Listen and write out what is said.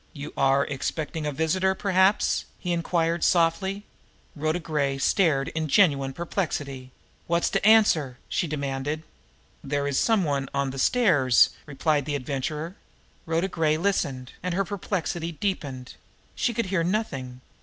"You are expecting a visitor, perhaps?" he inquired softly. Rhoda Gray stared in genuine perplexity. "Wot's de answer?" she demanded. "There is some one on the stairs," replied the Adventurer. Rhoda Gray listened and her perplexity deepened. She could hear nothing.